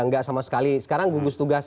nggak sama sekali sekarang gugus tugas